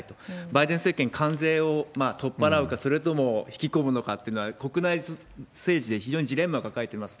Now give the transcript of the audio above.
バイデン政権、関税を取っ払うか、それとも引き込むのかっていうのは、国内政治で非常にジレンマ抱えてます。